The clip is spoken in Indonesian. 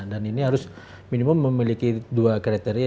dan ini harus minimum memiliki dua kriteria